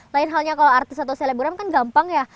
lainnya kalau artis atau selebram kan gampang ya